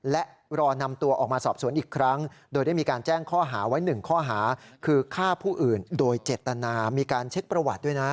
และรอนำตัวออกมาสอบสวนอีกครั้งโดยได้มีการแจ้งข้อหาไว้๑ข้อหาคือฆ่าผู้อื่นโดยเจตนามีการเช็คประวัติด้วยนะ